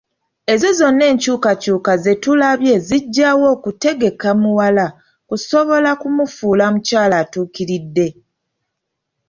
Ezo zonna enkyukakyuka ze tulabye zijjawo kutegeka muwala okusobola okumufuula omukyala atuukiridde.